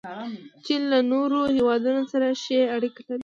چین له نورو هیوادونو سره ښې اړیکې لري.